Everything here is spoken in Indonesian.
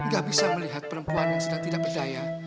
gak bisa melihat perempuan yang sudah tidak berdaya